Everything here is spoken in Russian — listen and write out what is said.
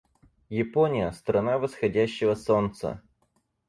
Япония — страна восходящего солнца.